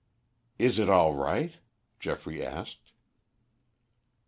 "It is all right?" Geoffrey asked.